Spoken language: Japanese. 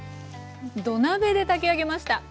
土鍋で炊き上げました。